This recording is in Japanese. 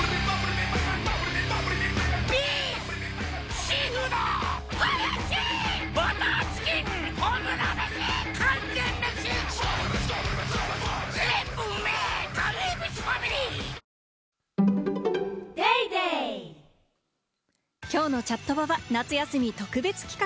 メシ完全メシきょうのチャットバは夏休み特別企画。